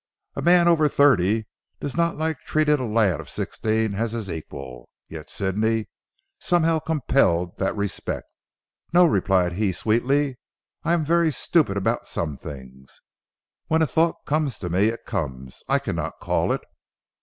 A' man over thirty does not like treating a lad of sixteen as his equal. Yet Sidney somehow compelled that respect. "No," replied he sweetly. "I am very stupid about some things. When a thought comes to me, it comes. I cannot call it."